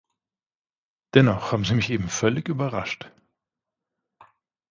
Dennoch haben Sie mich eben völlig überrascht.